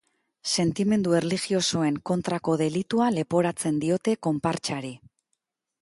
Sentimendu erlijiosoen kontrako delitua leporatzen diote konpartsari.